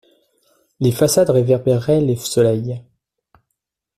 Les façades réverbéraient le soleil.